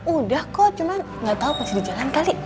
udah kok cuman gak tau pasti di jalan kali